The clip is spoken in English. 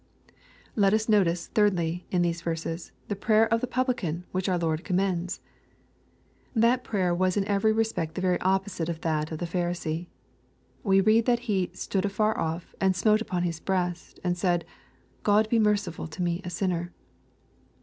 Let us notice, thirdly, in these verses, the prayer of the Puhlicariy which our Lord commends. That prayer was in every respect the very opposite of that of the Phari see. We read that he "stood afaroff, and smote upon his breast, and said, God be merciful to me a sinner."